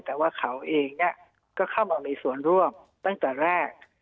แต่ว่าเขาเองก็เข้ามามีส่วนร่วมตั้งแต่แรก